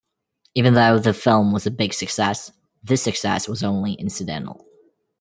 Even though the film was a big success, this success was only incidental.